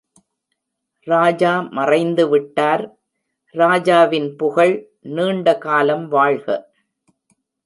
ராஜா மறைந்துவிட்டார், ராஜாவின் புகழ் நீண்ட காலம் வாழ்க.